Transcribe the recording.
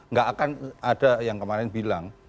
nggak akan ada yang kemarin bilang